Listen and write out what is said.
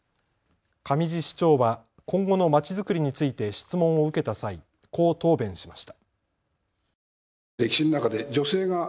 上地市長は今後のまち作りについて質問を受けた際、こう答弁しました。